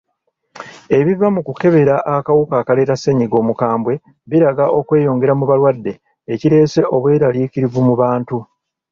Ebiva mu kukebera akawuka akaleeta ssennyiga omukambwe biraga okweyongera mu balwadde ekireese obweraliikirivu mu bantu.